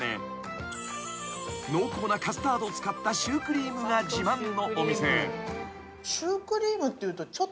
［濃厚なカスタードを使ったシュークリームが自慢のお店］